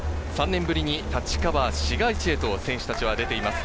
３年ぶりに立川市街地へと選手たちは出ています。